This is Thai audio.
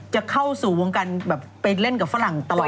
จะเข้าสู่วงการแบบไปเล่นกับฝรั่งตลอด